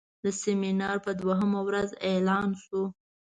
د سیمینار په دوهمه ورځ اعلان شو.